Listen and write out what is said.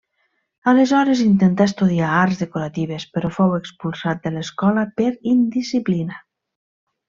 Aleshores intentà estudiar arts decoratives, però fou expulsat de l'escola per indisciplina.